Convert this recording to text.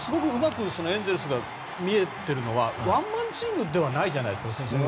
エンゼルスがすごくうまく見えているのはワンマンチームではないじゃないですか。